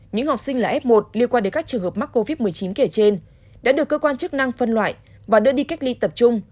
những học sinh là f một liên quan đến các trường hợp mắc covid một mươi chín kể trên đã được cơ quan chức năng phân loại và đưa đi cách ly tập trung